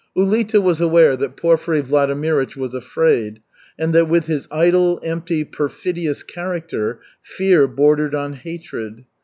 Ulita was aware that Porfiry Vladimirych was afraid and that with his idle, empty, perfidious character fear bordered on hatred.